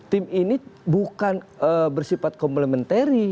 tim ini bukan bersifat komplementari